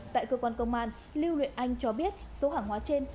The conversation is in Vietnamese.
tại cơ quan công an lưu huyện anh cho biết số hàng hóa trên